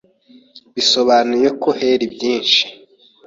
bisobenuye ko heri byinshi